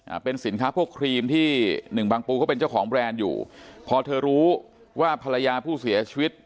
เป็นสินค้าพวกครีมที่หนึ่งบางปูก็เป็นเจ้าของแบรนด์อยู่พอเธอรู้ว่าภรรยาผู้เสียชีวิต